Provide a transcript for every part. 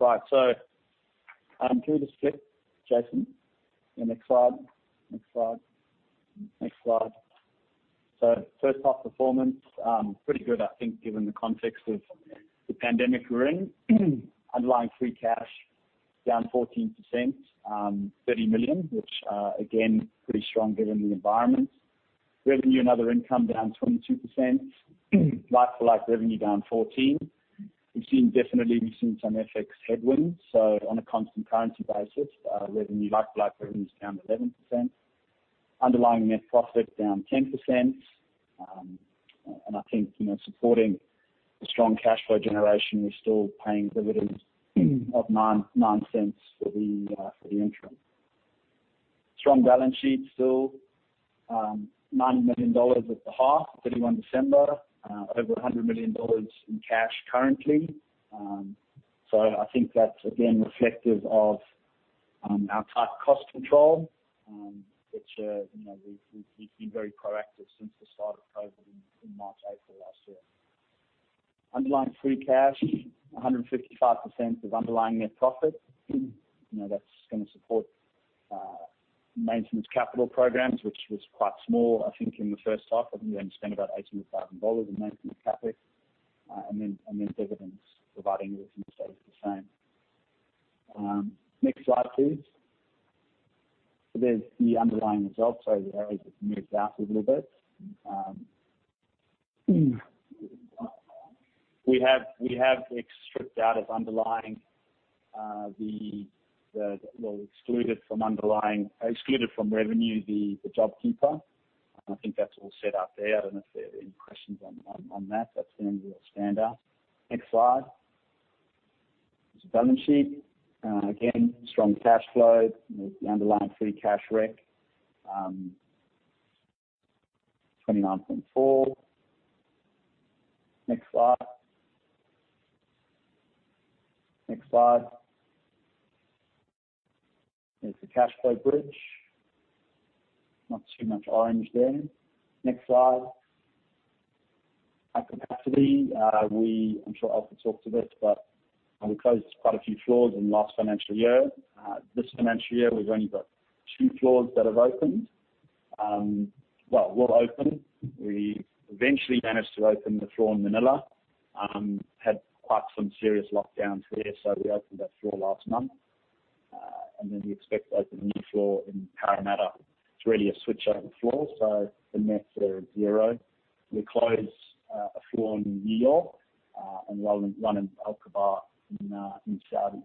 Yeah. Right. Through the script, Jason. Next slide. First half performance, pretty good, I think, given the context of the pandemic we're in. Underlying free cash down 14%, 30 million, which again, pretty strong given the environment. Revenue and other income down 22%. Like-for-like revenue down 14%. We've seen definitely some FX headwinds. On a constant currency basis, like-for-like revenue is down 11%. Underlying net profit down 10%. I think supporting the strong cash flow generation, we're still paying dividends of 0.09 for the interim. Strong balance sheet still, 90 million dollars at the half, 31 December. Over 100 million dollars in cash currently. I think that's again reflective of our tight cost control, which we've been very proactive since the start of COVID in March, April last year. Underlying free cash, 155% of underlying net profit. That's going to support maintenance capital programs, which was quite small, I think, in the first half. I think we only spent about 1,800 dollars in maintenance capital. Dividends providing everything stays the same. Next slide, please. There's the underlying results. The areas have moved out a little bit. We have stripped out of underlying, well excluded from revenue the JobKeeper. I think that's all set out there. I don't know if there are any questions on that. That's the only real standout. Next slide. There's the balance sheet. Again, strong cash flow with the underlying free cash rec, 29.4. Next slide. There's the cash flow bridge. Not too much orange there. Next slide. Our capacity. I'm sure Alf can talk to this, we closed quite a few floors in the last financial year. This financial year, we've only got two floors that have opened. Well, we eventually managed to open the floor in Manila. We had quite some serious lockdowns there. We opened that floor last month. We expect to open a new floor in Parramatta. It's really a switch-over floor. The net there is zero. We closed a floor in New York and one in Al Khobar in Saudi.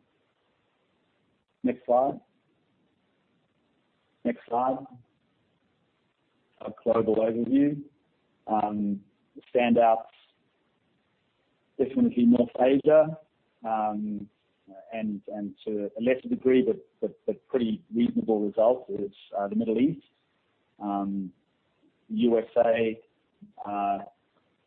Next slide. A global overview. The standouts, definitely North Asia, and to a lesser degree, but pretty reasonable result, is the Middle East. U.S.A.,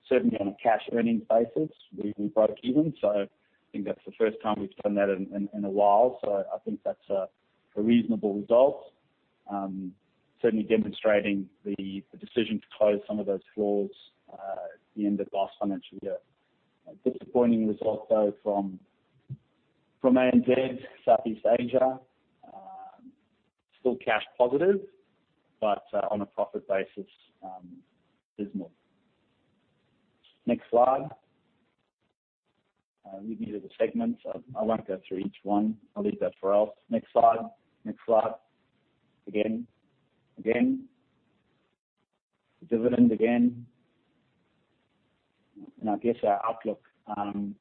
certainly on a cash earnings basis, we broke even. I think that's the first time we've done that in a while. I think that's a reasonable result. Certainly demonstrating the decision to close some of those floors at the end of last financial year. A disappointing result, though, from ANZ, Southeast Asia. It is still cash positive. On a profit basis, dismal. Next slide. I'll leave you to the segments. I won't go through each one. I'll leave that for Alf. Next slide. Again. The dividend again. I guess our outlook. Still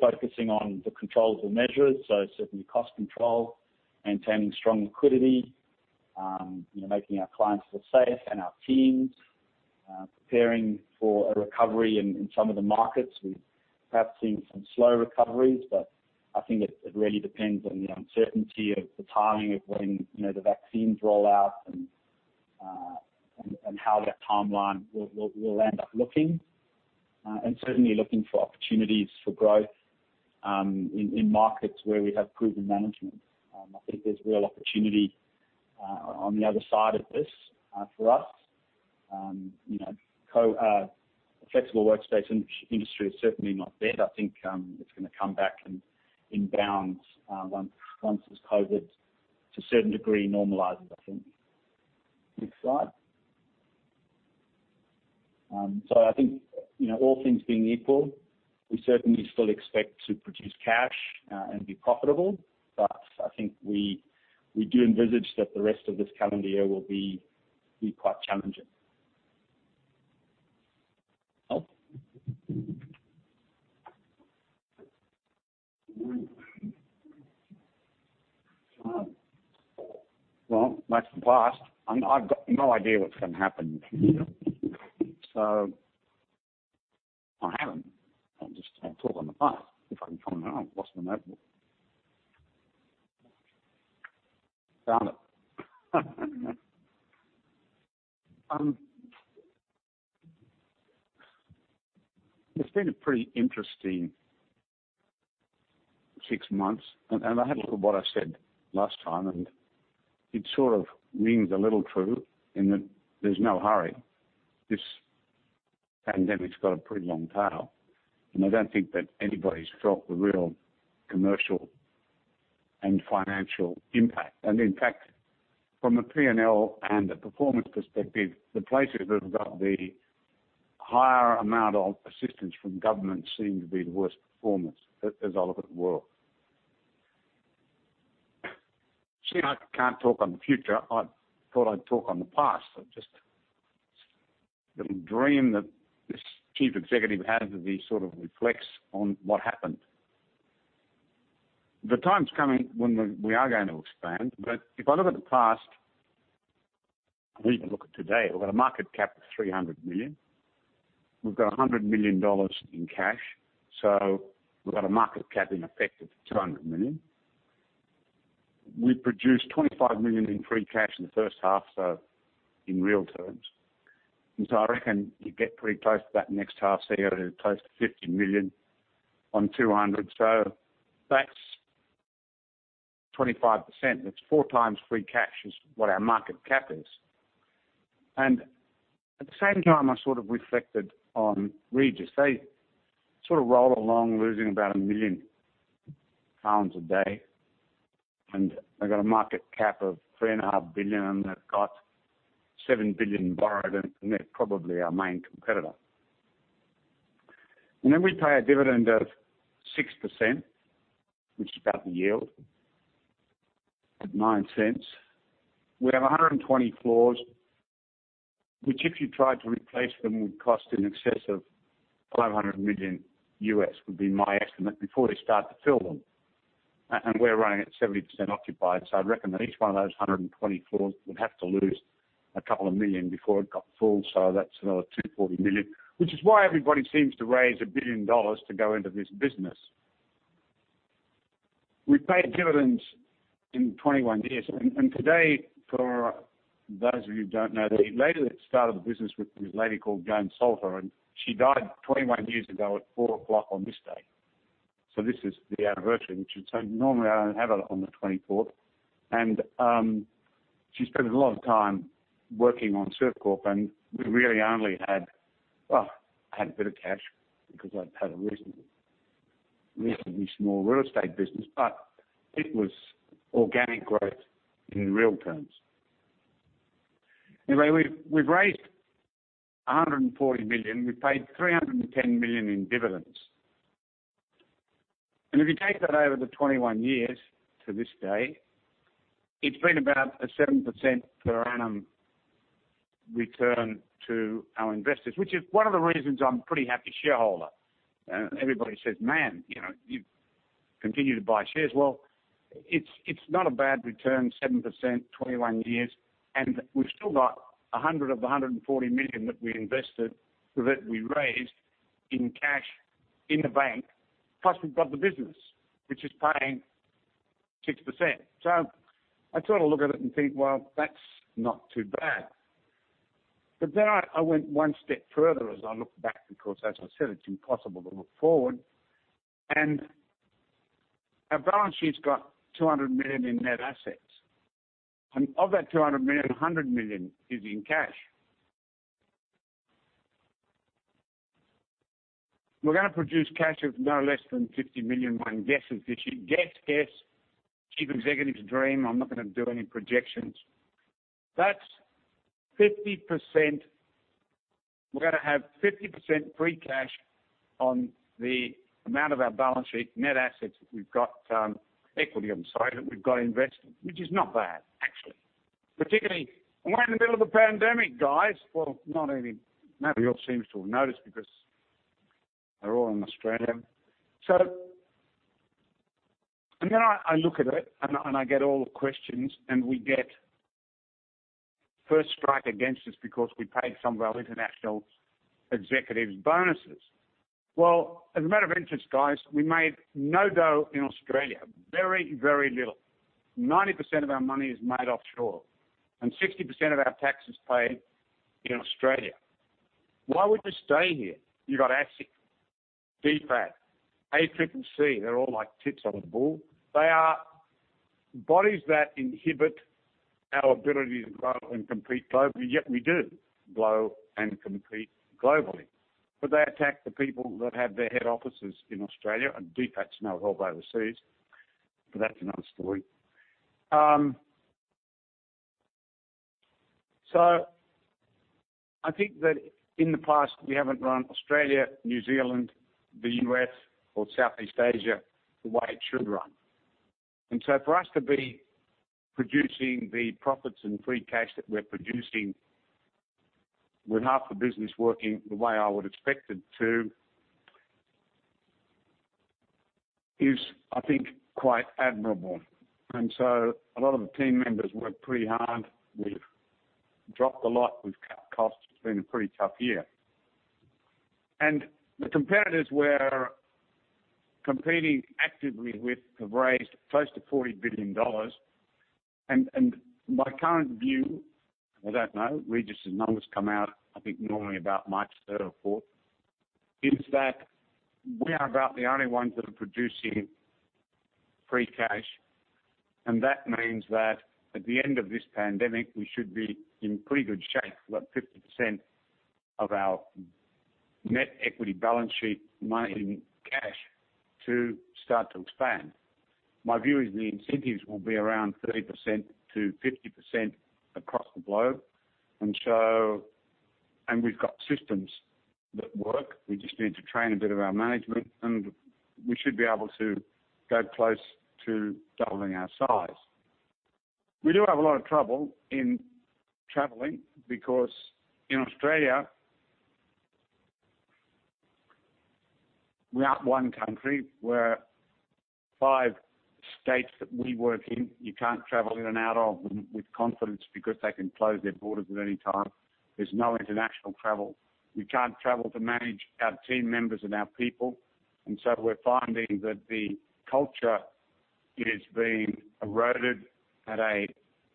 focusing on the controls and measures, so certainly cost control, maintaining strong liquidity, making our clients feel safe, and our teams preparing for a recovery in some of the markets. We've perhaps seen some slow recoveries, I think it really depends on the uncertainty of the timing of when the vaccines roll out and how that timeline will end up looking. Certainly looking for opportunities for growth in markets where we have proven management. I think there's real opportunity on the other side of this for us. Flexible workstation industry is certainly not dead. I think it's going to come back and in bounds once this COVID, to a certain degree, normalizes, I think. Next slide. I think all things being equal, we certainly still expect to produce cash and be profitable, but I think we do envisage that the rest of this calendar year will be quite challenging. Alf? Well, that's the past. I haven't. I'll just talk on the past. If I can find my own Lost my notebook. Found it. It's been a pretty interesting six months. I had a look at what I said last time, and it sort of rings a little true in that there's no hurry. Then it's got a pretty long tail, and I don't think that anybody's felt the real commercial and financial impact. In fact, from a P&L and a performance perspective, the places that have got the higher amount of assistance from government seem to be the worst performers as I look at the world. Seeing I can't talk on the future, I thought I'd talk on the past. Just a little dream that this chief executive has as he sort of reflects on what happened. The time's coming when we are going to expand, but if I look at the past, or even look at today, we've got a market cap of 300 million. We've got 100 million dollars in cash. We've got a market cap, in effect, of 200 million. We produced 25 million in free cash in the first half, so in real terms. I reckon you get pretty close to that next half, so you get close to 50 million on 200 million. That's 25%. That's four times free cash is what our market cap is. At the same time, I sort of reflected on Regus. They sort of roll along losing about 1 million pounds a day, and they've got a market cap of 3.5 billion, and they've got 7 billion borrowed, and they're probably our main competitor. We pay a dividend of 6%, which is about the yield, at 0.09. We have 120 floors, which if you tried to replace them, would cost in excess of $500 million, would be my estimate, before they start to fill them. We're running at 70% occupied. I'd reckon that each one of those 120 floors would have to lose 2 million before it got full. That's another 240 million, which is why everybody seems to raise 1 billion dollars to go into this business. We paid dividends in 21 years. Today, for those of you who don't know, the lady that started the business was a lady called Joan Salter, and she died 21 years ago at 4:00 P.M. on this day. This is the anniversary, which normally I don't have it on the 24th. She spent a lot of time working on Servcorp, and we really only had a bit of cash because I'd had a reasonably small real estate business. It was organic growth in real terms. Anyway, we've raised 140 million. We've paid 310 million in dividends. If you take that over the 21 years to this day, it's been about a 7% per annum return to our investors, which is one of the reasons I'm a pretty happy shareholder. Everybody says, Man, you continue to buy shares. It's not a bad return, 7%, 21 years, and we've still got 100 million of the 140 million that we invested, that we raised in cash in the bank. Plus, we've got the business, which is paying 6%. I sort of look at it and think, "Well, that's not too bad." I went one step further as I looked back, because as I said, it's impossible to look forward, and our balance sheet's got 200 million in net assets. Of that 200 million, 100 million is in cash. We're going to produce cash of no less than 50 million, my guess is. Guess, chief executive's dream. I'm not going to do any projections. We're going to have 50% free cash on the amount of our balance sheet net assets that we've got equity on the side, that we've got invested, which is not bad, actually. Particularly, we're in the middle of a pandemic, guys. Nobody seems to have noticed because they're all in Australia. I look at it and I get all the questions, and we get first strike against us because we paid some of our international executives bonuses. As a matter of interest, guys, we made no dough in Australia. Very little. 90% of our money is made offshore and 60% of our tax is paid in Australia. Why would you stay here? You got ASIC, DFAT, ACCC. They're all like tits on a bull. They are bodies that inhibit our ability to grow and compete globally, yet we do grow and compete globally. They attack the people that have their head offices in Australia, and DFAT's no help overseas. That's another story. I think that in the past, we haven't run Australia, New Zealand, the U.S., or Southeast Asia the way it should run. For us to be producing the profits and free cash that we're producing with half the business working the way I would expect it to, is I think, quite admirable. A lot of the team members worked pretty hard. We've dropped a lot. We've cut costs. It's been a pretty tough year. The competitors we're competing actively with have raised close to 40 billion dollars. My current view, I don't know, Regus' numbers come out, I think, normally about March 3rd or 4th, is that we are about the only ones that are producing free cash. That means that at the end of this pandemic, we should be in pretty good shape. We've got 50% of our net equity balance sheet money in cash to start to expand. My view is the incentives will be around 30%-50% across the globe. We've got systems that work. We just need to train a bit of our management, and we should be able to go close to doubling our size. We do have a lot of trouble in traveling because, in Australia, we are one country where five states that we work in, you can't travel in and out of them with confidence because they can close their borders at any time. There's no international travel. We can't travel to manage our team members and our people. We're finding that the culture is being eroded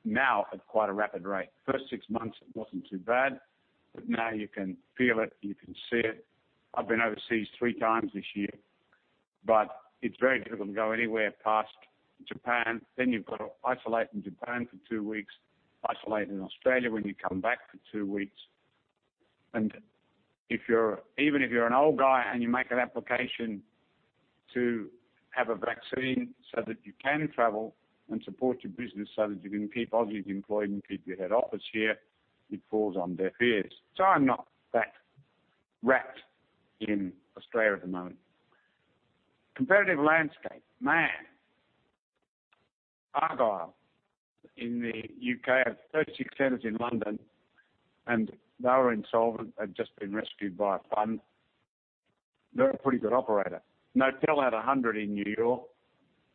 now at quite a rapid rate. First six months, it wasn't too bad, but now you can feel it. You can see it. I've been overseas three times this year, but it's very difficult to go anywhere past Japan. You've got to isolate in Japan for two weeks, isolate in Australia when you come back for two weeks. Even if you're an old guy and you make an application to have a vaccine so that you can travel and support your business so that you can keep Aussies employed and keep your head office here, it falls on deaf ears. I'm not that wrapped in Australia at the moment. Competitive landscape. Man. Argyll in the U.K. have 36 centers in London, and they were insolvent, had just been rescued by a fund. They're a pretty good operator. Knotel had 100 in New York.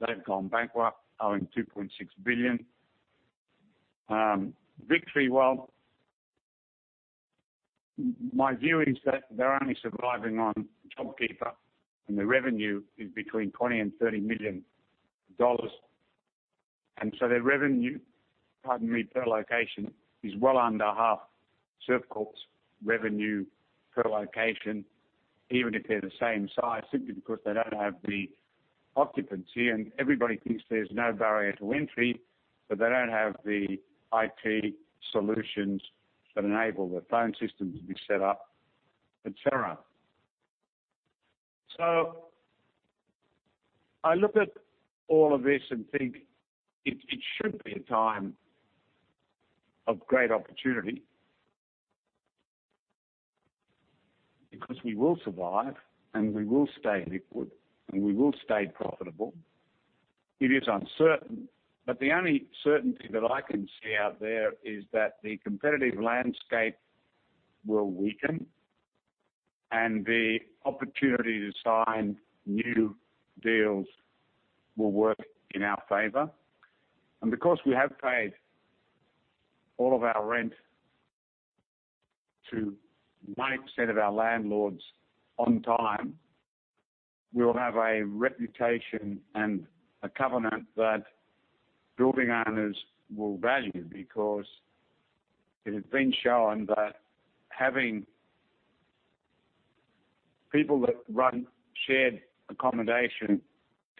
They've gone bankrupt, owing $2.6 billion. Victory, well, my view is that they're only surviving on JobKeeper, and their revenue is between 20 million and 30 million dollars. Their revenue, pardon me, per location, is well under half Servcorp's revenue per location, even if they're the same size, simply because they don't have the occupancy. Everybody thinks there's no barrier to entry, but they don't have the IT solutions that enable the phone system to be set up, et cetera. I look at all of this and think it should be a time of great opportunity because we will survive and we will stay liquid and we will stay profitable. It is uncertain, but the only certainty that I can see out there is that the competitive landscape will weaken and the opportunity to sign new deals will work in our favor. Because we have paid all of our rent to 90% of our landlords on time, we'll have a reputation and a covenant that building owners will value because it has been shown that having people that run shared accommodation,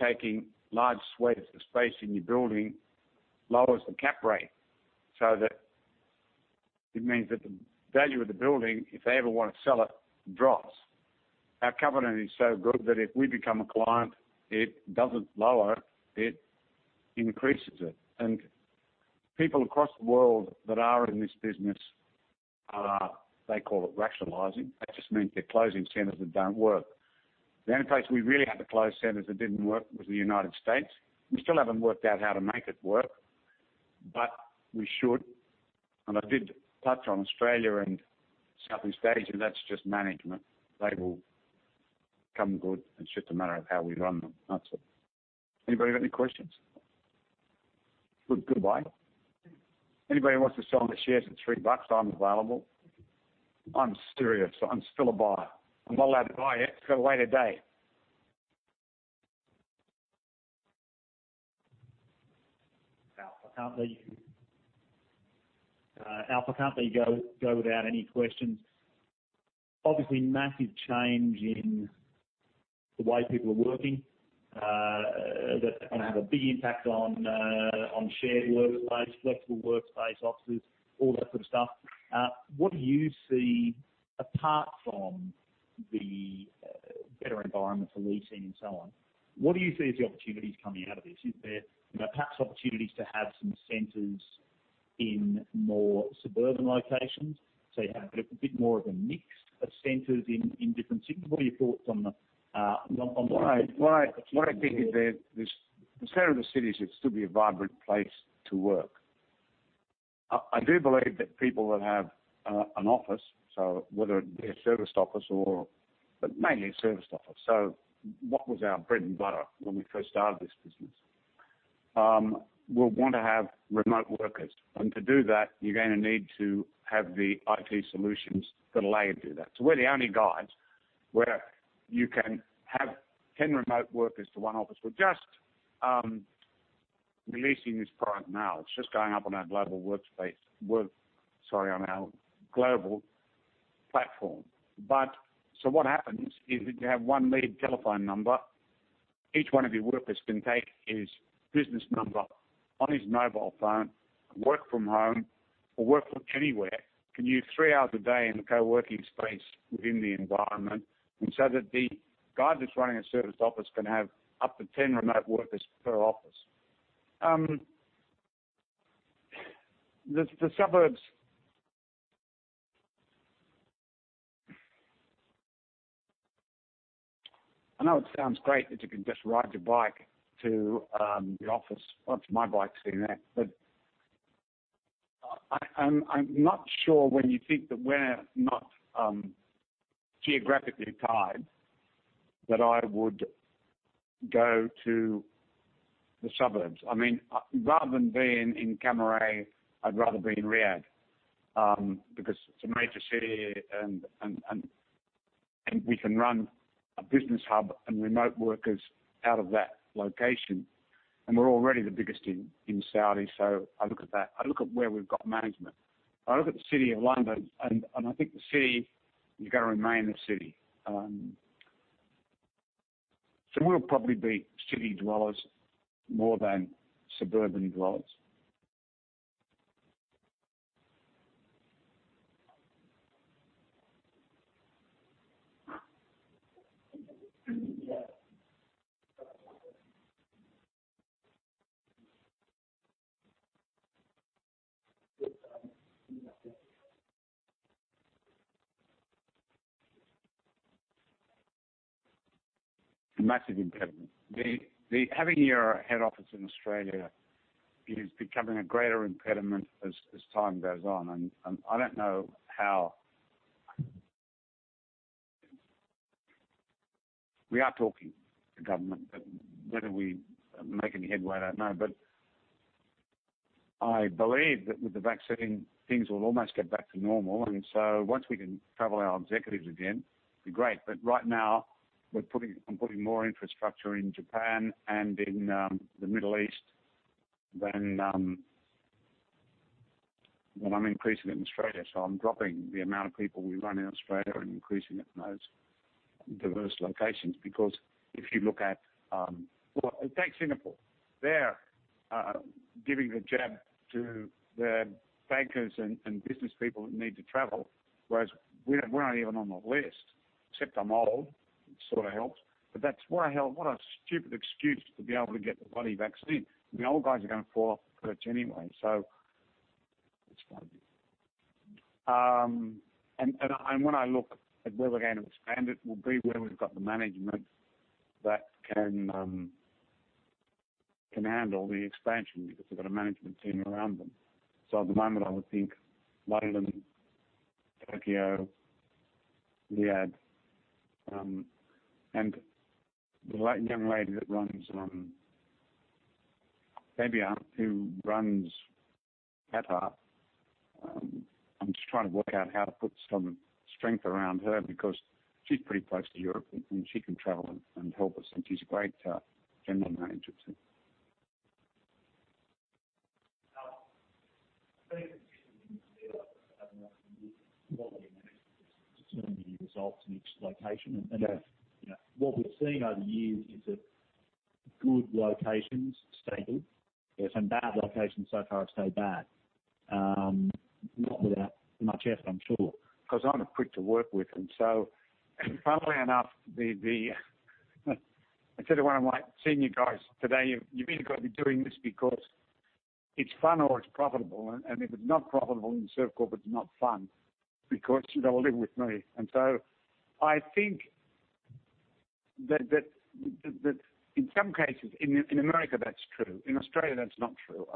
taking large swathes of space in your building lowers the cap rate so that it means that the value of the building, if they ever want to sell it, drops. Our covenant is so good that if we become a client, it doesn't lower, it increases it. People across the world that are in this business are, they call it rationalizing. That just means they're closing centers that don't work. The only place we really had to close centers that didn't work was the U.S. We still haven't worked out how to make it work, but we should. I did touch on Australia and Southeast Asia. That's just management. They will come good. It's just a matter of how we run them. That's it. Anybody got any questions? Goodbye. Anybody wants to sell their shares at 3 bucks, I'm available. I'm serious. I'm still a buyer. I'm not allowed to buy yet. It's got to wait a day. Alf, can't let you go without any questions. Obviously, massive change in the way people are working. That's going to have a big impact on shared workspace, flexible workspace, offices, all that sort of stuff. What do you see, apart from the better environment for leasing and so on, what do you see as the opportunities coming out of this? Is there perhaps opportunities to have some centers in more suburban locations? You have a bit more of a mix of centers in different cities. What are your thoughts on the? Well, I think is that the center of the cities should still be a vibrant place to work. I do believe that people that have an office, so whether it be a serviced office or But mainly a serviced office. What was our bread and butter when we first started this business? Will want to have remote workers. To do that, you're going to need to have the IT solutions that allow you to do that. We're the only guys where you can have 10 remote workers to one office. We're releasing this product now, it's just going up on our global platform. What happens is if you have one lead telephone number, each one of your workers can take his business number on his mobile phone, work from home or work from anywhere, commute three hours a day in the co-working space within the environment. That the guy that's running a serviced office can have up to 10 remote workers per office. The suburbs. I know it sounds great that you can just ride your bike to the office. Well, my bike's sitting there. I'm not sure when you think that we're not geographically tied, that I would go to the suburbs. Rather than being in Cammeray, I'd rather be in Riyadh, because it's a major city and we can run a business hub and remote workers out of that location, and we're already the biggest in Saudi. I look at that. I look at where we've got management. I look at the City of London, and I think the city is going to remain the city. We'll probably be city dwellers more than suburban dwellers. Massive impediment. Having your head office in Australia is becoming a greater impediment as time goes on. I don't know how. We are talking to government, but whether we make any headway, I don't know. I believe that with the vaccine, things will almost get back to normal. Once we can travel our executives again, it'd be great. Right now, I'm putting more infrastructure in Japan and in the Middle East than I'm increasing it in Australia. I'm dropping the amount of people we run in Australia and increasing it in those diverse locations. Because if you look at, well, take Singapore. They're giving the jab to their bankers and business people that need to travel, whereas we're not even on the list. Except I'm old, it sort of helps. What a stupid excuse to be able to get the bloody vaccine. The old guys are going to fall off the perch anyway. It's going to be. When I look at where we're going to expand, it will be where we've got the management that can handle the expansion because they've got a management team around them. At the moment, I would think Milan, Tokyo, Riyadh. The young lady that runs, Fabia, who runs Qatar. I'm just trying to work out how to put some strength around her because she's pretty close to Europe and she can travel and help us, and she's a great general manager, too. Determining the results in each location. Yeah. What we're seeing over the years is that good locations stay good. Yes. Bad locations so far have stayed bad. Not without much effort, I'm sure. Because I'm quick to work with. Funnily enough, I said to one of my senior guys today, You've either got to be doing this because it's fun or it's profitable. If it's not profitable in Servcorp, it's not fun because you've got to live with me. I think that in some cases, in the U.S. that's true. In Australia, that's not true.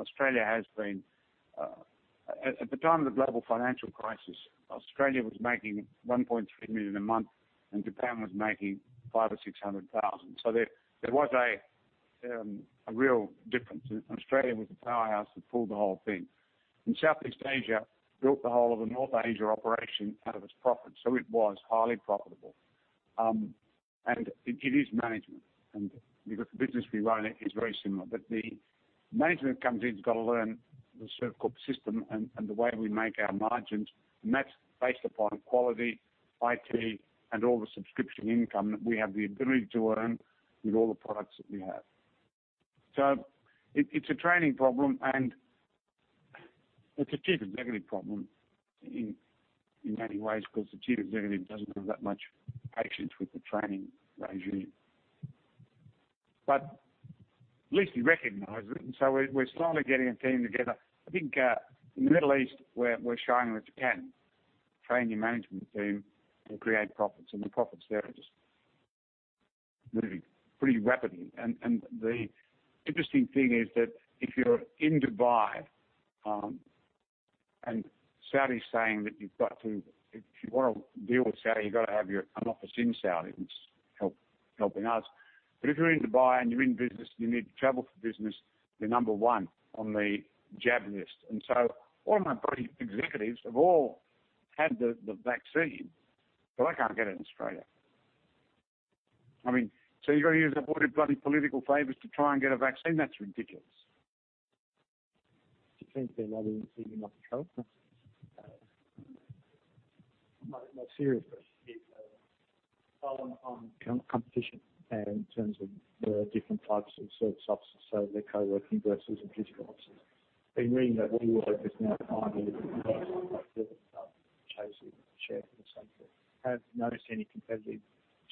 At the time of the global financial crisis, Australia was making 1.3 million a month and Japan was making 500,000 or 600,000. There was a real difference. Australia was the powerhouse that pulled the whole thing. Southeast Asia built the whole of the North Asia operation out of its profit. It was highly profitable. It is management. Because the business we run is very similar. The management that comes in has got to learn the Servcorp system and the way we make our margins, and that's based upon quality, IT, and all the subscription income that we have the ability to earn with all the products that we have. It's a training problem, and it's a chief executive problem in many ways because the chief executive doesn't have that much patience with the training regime. At least he recognizes it, and so we're slowly getting a team together. I think in the Middle East, we're showing that you can train your management team to create profits, and the profits there are just moving pretty rapidly. The interesting thing is that if you're in Dubai, and Saudi's saying that if you want to deal with Saudi, you've got to have an office in Saudi, which is helping us. If you're in Dubai and you're in business, you need to travel for business, you're number one on the jab list. All my bloody executives have all had the vaccine, but I can't get it in Australia. I mean, you're going to use avoided bloody political favors to try and get a vaccine? That's ridiculous. It seems to be rather inconvenient, not to tell. My serious question is, following on competition and in terms of the different types of serviced offices, so the coworking versus the physical offices. Been reading that WeWork is now finally chasing shares and so forth. Have you noticed any competitive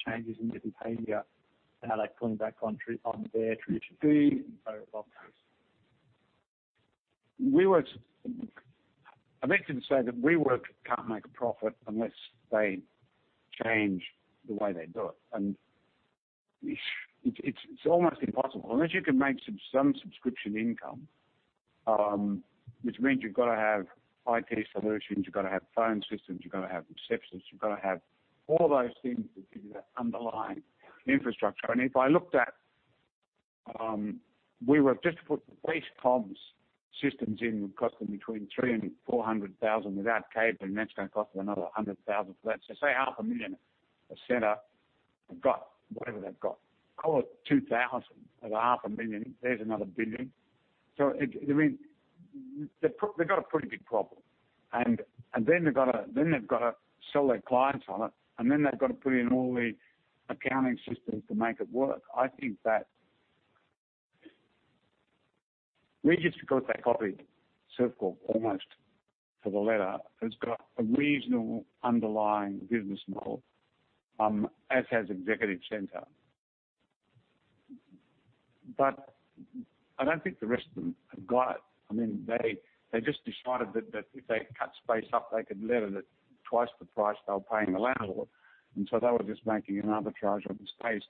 changes in their behavior and are they pulling back on their traditional fee office? I meant to say that WeWork can't make a profit unless they change the way they do it, and it's almost impossible. Unless you can make some subscription income, which means you've got to have IT solutions, you've got to have phone systems, you've got to have receptions, you've got to have all those things that give you that underlying infrastructure. If I looked at WeWork, just to put the base comms systems in would cost them between 300,000 and 400,000 without cabling, that's going to cost them another 100,000 for that. Say AUD half a million a center. They've got whatever they've got. Call it 2,000. At AUD half a million, there's another 1 billion. They've got a pretty big problem. Then they've got to sell their clients on it, and then they've got to put in all the accounting systems to make it work. I think that Regus, because they copied Servcorp almost to the letter, has got a reasonable underlying business model, as has Executive Centre. I don't think the rest of them have got it. I mean, they just decided that if they cut space up, they could let it at twice the price they were paying the landlord, and so they were just making an arbitrage on the space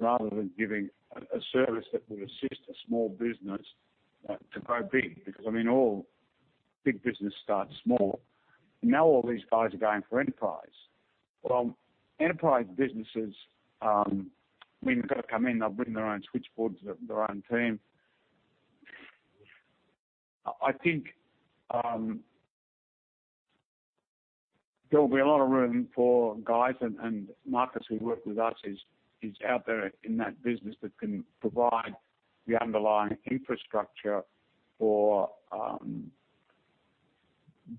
rather than giving a service that would assist a small business to grow big. I mean, all big business starts small. All these guys are going for enterprise. Enterprise businesses, when they've got to come in, they'll bring their own switchboards, their own team. I think there'll be a lot of room for guys and markets who work with us is out there in that business that can provide the underlying infrastructure for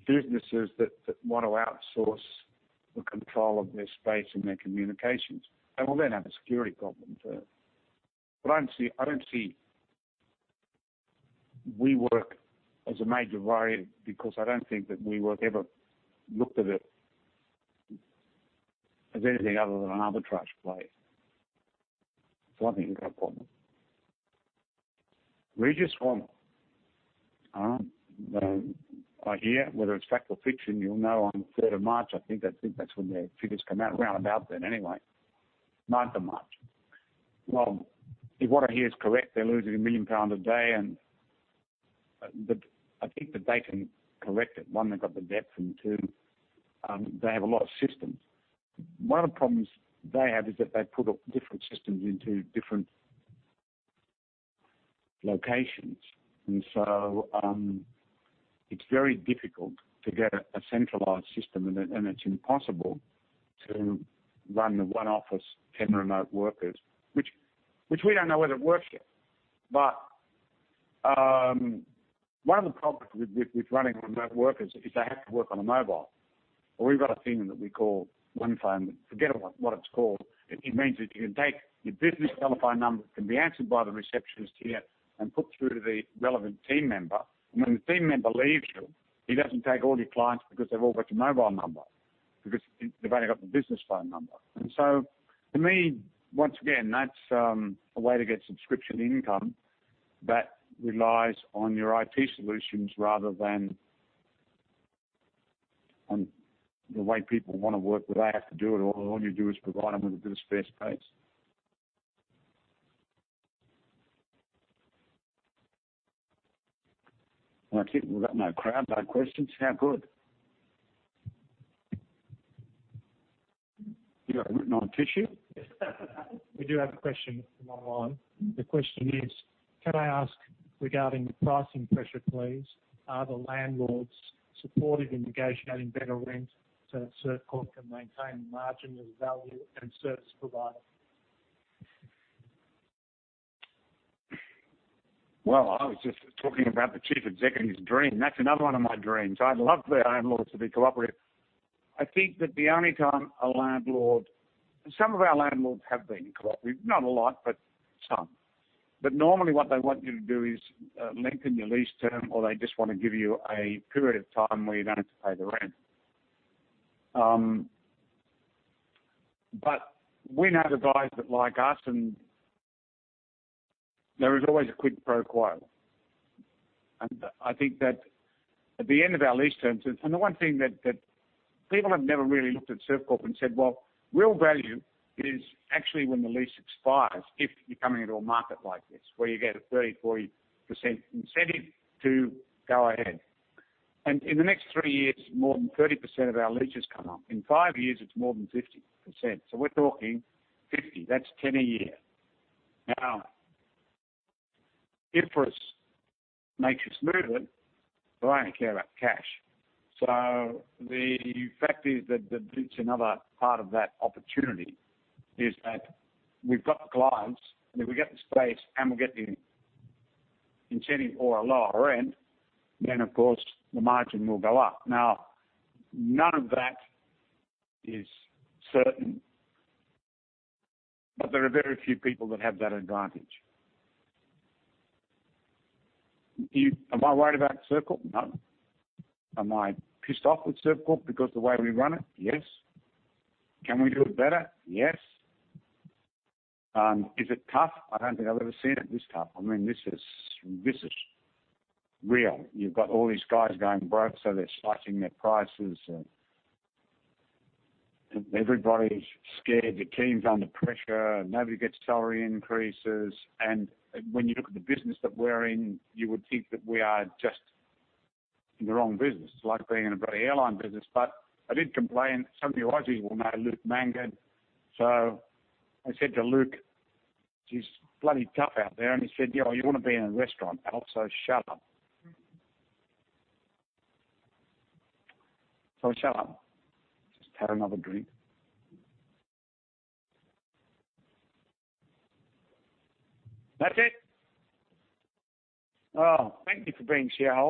businesses that want to outsource the control of their space and their communications. They will have a security problem, too. I don't see WeWork as a major worry because I don't think that WeWork ever looked at it as anything other than an arbitrage play. I think they've got a problem. Regus won't. I hear, whether it's fact or fiction, you'll know on the 3rd of March, I think that's when their figures come out, around about then anyway. 9th of March. If what I hear is correct, they're losing 1 million pounds a day. I think that they can correct it. One, they've got the depth, and two, they have a lot of systems. One of the problems they have is that they put up different systems into different locations, it's very difficult to get a centralized system, it's impossible to run the one office, 10 remote workers. Which we don't know whether it works yet. One of the problems with running remote workers is they have to work on a mobile. Well, we've got a thing that we call Onefone. Forget what it's called. It means that you can take your business telephone number, it can be answered by the receptionist here put through to the relevant team member, when the team member leaves you, he doesn't take all your clients because they've all got your mobile number. They've only got the business phone number. To me, once again, that's a way to get subscription income that relies on your IT solutions rather than on the way people want to work, the way they have to do it. All you do is provide them with a bit of spare space. I think we've got no crowd, no questions. How good? You got it written on a tissue? We do have a question from online. The question is: Can I ask regarding the pricing pressure, please? Are the landlords supportive in negotiating better rent so that Servcorp can maintain margin as a value-add service provider? Well, I was just talking about the chief executive's dream. That's another one of my dreams. I'd love the landlords to be cooperative. I think that Some of our landlords have been cooperative. Not a lot, but some. Normally what they want you to do is lengthen your lease term, or they just want to give you a period of time where you don't have to pay the rent. We know the guys that like us and there is always a quid pro quo. I think that at the end of our lease terms, and the one thing that people have never really looked at Servcorp and said, Well, real value is actually when the lease expires, if you're coming into a market like this, where you get a 30%, 40% incentive to go ahead. In the next three years, more than 30% of our leases come up. In five years, it's more than 50%. We're talking 50. That's 10 a year. Interest makes you smoother, but I only care about cash. The fact is that it's another part of that opportunity, is that we've got the clients, and if we get the space and we get the incentive or a lower rent, then of course the margin will go up. None of that is certain. There are very few people that have that advantage. Am I worried about Servcorp? No. Am I pissed off with Servcorp because the way we run it? Yes. Can we do it better? Yes. Is it tough? I don't think I've ever seen it this tough. I mean, this is real. You've got all these guys going broke, so they're slashing their prices and everybody's scared. The team's under pressure. Nobody gets salary increases. When you look at the business that we're in, you would think that we are just in the wrong business. It's like being in a bloody airline business. I didn't complain. Some of you Aussies will know Luke Mangan. I said to Luke, It's bloody tough out there. He said, Yeah, well, you wouldn't be in a restaurant, pal, so shut up. I shut up. Just had another drink. That's it. Oh, thank you for being shareholders.